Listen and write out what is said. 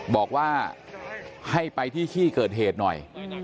บอกว่าให้ไปที่ที่เกิดเหตุหน่อย